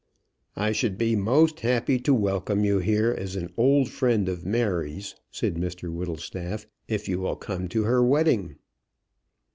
"I should be most happy to welcome you here as an old friend of Mary's," said Mr Whittlestaff, "if you will come to her wedding."